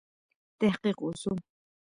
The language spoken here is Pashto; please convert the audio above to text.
تحقیق وسو.